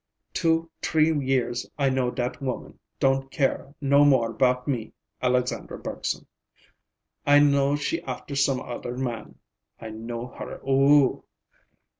"Two, t'ree years I know dat woman don' care no more 'bout me, Alexandra Bergson. I know she after some other man. I know her, oo oo!